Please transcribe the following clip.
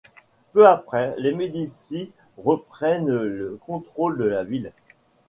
Peu après, les Médicis reprennent le contrôle de la ville.